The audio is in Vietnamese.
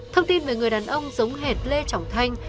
thông tin về người đàn ông giống hệt lê trọng thanh